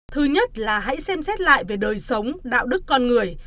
thứ nhất là hãy xem xét lại về đời sống đạo đức con người